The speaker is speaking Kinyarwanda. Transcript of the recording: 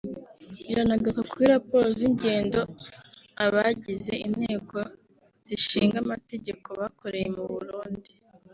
Iranagaruka kuri raporo z’ingendo abagize Inteko zishinga Amategeko bakoreye mu Burundi